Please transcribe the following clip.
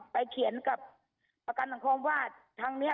เขียนกับประกันสังคมว่าทางนี้